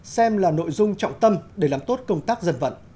xem là nội dung trọng tâm để làm tốt công tác dân vận